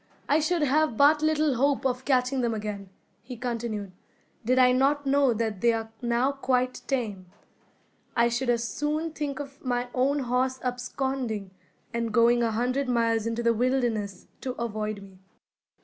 "I should have but little hope of catching them again," he continued, "did I not know that they are now quite tame. I should as soon think of my own horse absconding, and going a hundred miles into the wilderness, to avoid me.